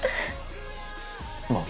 まあ。